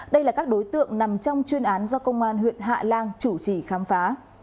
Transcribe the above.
đây là các đối tượng nằm trong chuyên án do công an huyện hạ lan chủ trì khám phá